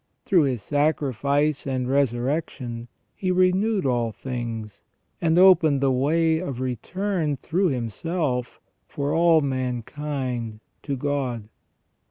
Through His sacrifice and resurrection He renewed all things, and opened the way of return through Himself for all mankind to God.